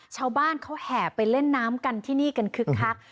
ชาวบ้านเขาแห่ไปเล่นน้ำกันที่นี่กันคึกคัก